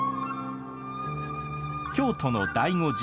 京都の醍醐寺